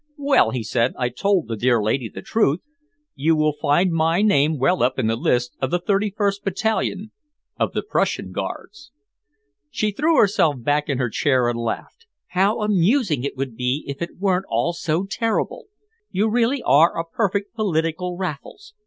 "Well," he said, "I told the dear lady the truth. You will find my name well up in the list of the thirty first battalion of the Prussian Guards." She threw herself back in her chair and laughed. "How amusing it would be if it weren't all so terrible! You really are a perfect political Raffles.